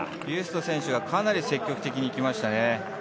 ビュスト選手がかなり積極的にいきました。